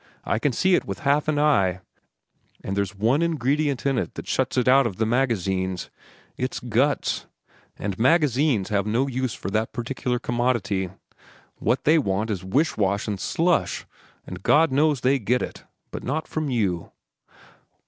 I can see it with half an eye, and there's one ingredient in it that shuts it out of the magazines. It's guts, and magazines have no use for that particular commodity. What they want is wish wash and slush, and God knows they get it, but not from you."